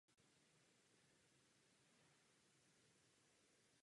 Jeho verše byly přeloženy do italštiny a portugalštiny.